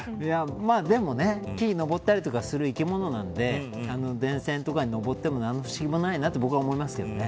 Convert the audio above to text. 木に登ったりする生き物なので電線とかに上っても何の不思議もないと僕は思いますけどね。